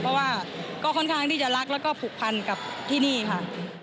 เพราะว่าก็ค่อนข้างที่จะรักแล้วก็ผูกพันกับที่นี่ค่ะ